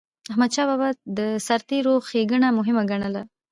احمدشاه بابا به د سرتيرو ښيګڼه مهمه ګڼله.